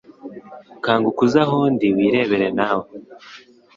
Kanguka uze aho ndi wirebere nawe